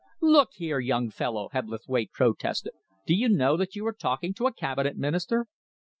"Look here, young fellow," Hebblethwaite protested, "do you know that you are talking to a Cabinet Minister?"